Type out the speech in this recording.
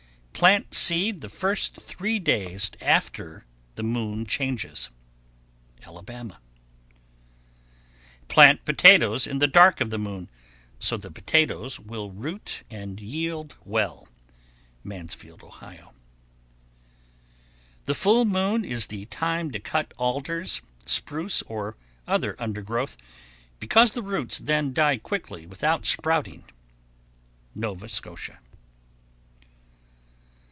Plant seed the first three days after the moon changes. Alabama. 1123. Plant potatoes "in the dark of the moon," so the potatoes will root and yield well. Mansfield, O. 1124. The full moon is the time to cut alders, spruce, or other undergrowth, because the roots then die quickly without sprouting. _Nova Scotia.